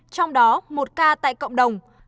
trong đó một ca tại cộng đồng